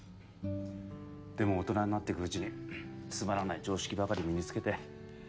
でも大人になっていくうちにつまらない常識ばかり身につけて。